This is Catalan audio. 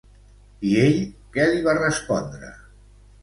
I ell què li va respondre?